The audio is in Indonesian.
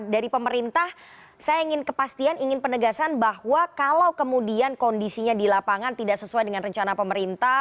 dari pemerintah saya ingin kepastian ingin penegasan bahwa kalau kemudian kondisinya di lapangan tidak sesuai dengan rencana pemerintah